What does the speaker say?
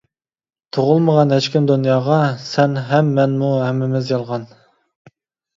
تۇغۇلمىغان ھېچكىم دۇنياغا، سەن ھەم مەنمۇ ھەممىمىز يالغان!